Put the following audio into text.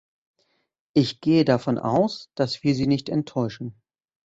Ich gehe davon aus, dass wir sie nicht enttäuschen.